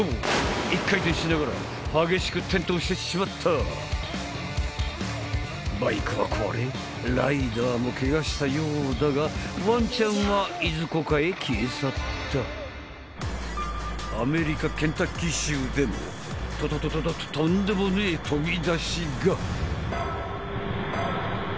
１回転しながら激しく転倒してしまったバイクは壊れライダーもケガしたようだがワンちゃんはいずこかへ消え去ったアメリカ・ケンタッキー州でもととととととんでもねえ飛び出しが！